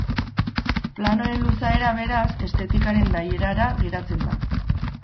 Planoen luzaera, beraz, estetikaren nahierara geratzen da.